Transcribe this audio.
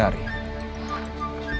aku ingin mencari tahu tentang sunda